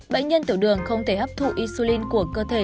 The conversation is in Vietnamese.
bệnh nhân tiểu đường không thể hấp thụ isulin của cơ thể